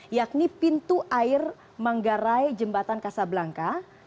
yakni pintu air manggarai jembatan kasablangka